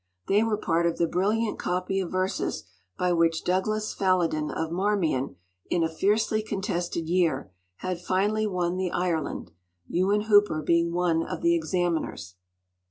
They were part of the brilliant copy of verses by which Douglas Falloden of Marmion, in a fiercely contested year, had finally won the Ireland, Ewen Hooper being one of the examiners.